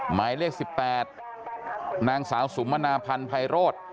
หมายเลข๑๘นางสาวสุมมนาพันธ์ภัยโรธ